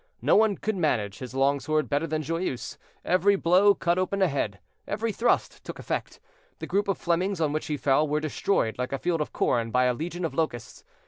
No one could manage his long sword better than Joyeuse: every blow cut open a head, every thrust took effect. The group of Flemings on which he fell were destroyed like a field of corn by a legion of locusts.